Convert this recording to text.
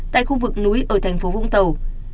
tại khu vực núi ở thành phố vũng tàu